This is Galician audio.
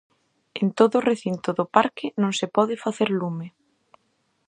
En todo o recinto do parque non se pode facer lume.